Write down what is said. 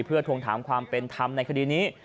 เพื่อทวงถามความเป็นธรรมในคดีนี้